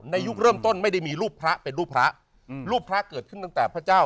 ยุคเริ่มต้นไม่ได้มีรูปพระเป็นรูปพระอืมรูปพระเกิดขึ้นตั้งแต่พระเจ้า